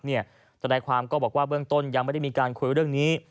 ทนายความก็บอกว่าเบื้องต้นยังไม่ได้มีการคุยเรื่องนี้